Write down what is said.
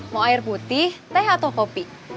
mau air putih teh atau kopi